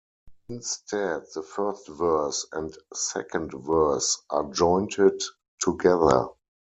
Instead, the first verse and second verse are jointed together.